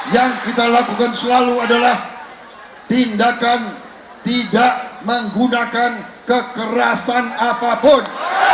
yang kita lakukan selalu adalah tindakan tidak menggunakan kekerasan apapun